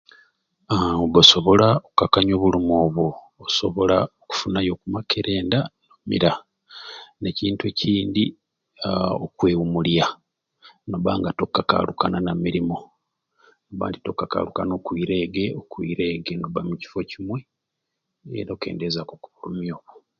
Aa obba okusobola okukakanya obulumi obwo osobola kufunayo ku makerenda mira. nekintu ekindi aaa okwewumulya nobba nga tokakaalukana na mirimu nobba nga tokakaalukana kwirege o kwirege nobba mu kifo kimwe era okendeezaaku oku bulumi obwo.